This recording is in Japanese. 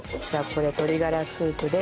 これ鶏がらスープです。